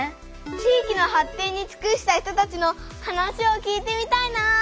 地域の発展につくした人たちの話を聞いてみたいな！